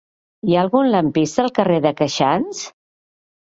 Hi ha algun lampista al carrer de Queixans?